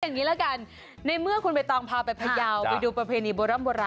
อย่างนี้ละกันในเมื่อคุณไปต่องพาไปพระยาวไปดูประเพณีโบรันต์โบรันต์โบรันต์